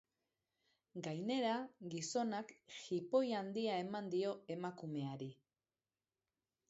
Gainera, gizonak jipoi handia eman dio emakumeari.